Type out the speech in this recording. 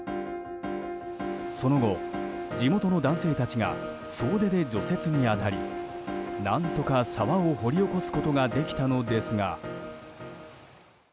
その後、地元の男性たちが総出で除雪に当たり何とか沢を掘り起こすことができたのですが。